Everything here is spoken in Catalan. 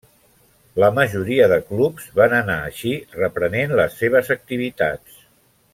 La majoria de clubs van anar, així, reprenent les seves activitats.